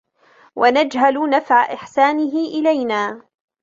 وَنَجْهَلَ نَفْعَ إحْسَانِهِ إلَيْنَا